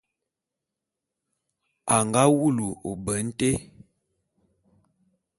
A nga wulu ôbe nté.